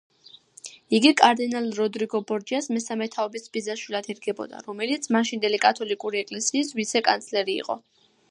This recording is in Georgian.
იგი კარდინალ როდრიგო ბორჯიას მესამე თაობის ბიძაშვილად ერგებოდა, რომელიც მაშინდელი კათოლიკური ეკლესიის ვიცე-კანცლერი იყო.